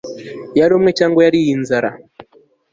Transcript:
yarumye cyangwa yariye inzara